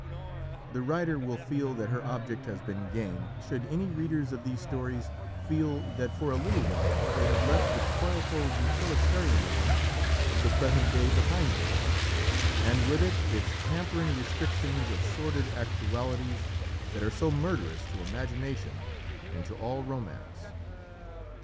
The writer will feel that her object has been gained should any readers of these stories feel that for a little while they have left the toilful utilitarianism of the present day behind them, and, with it, its hampering restrictions of sordid actualities that are so murderous to imagination and to all romance.